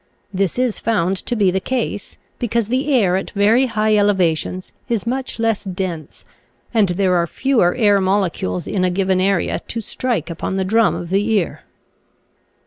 This is found to be the ease, because the air at very high elevations is much less dense and there are fewer air molecules in a given area to strike upon the drum of the ear.